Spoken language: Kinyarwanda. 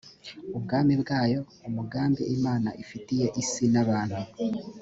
ubwami bwayo umugambi imana ifitiye isi n abantu